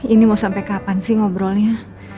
ini mau sampai kapan sih ngobrolnya